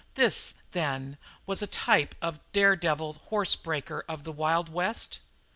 This, then, was a type of the dare devil horse breaker of the Wild West?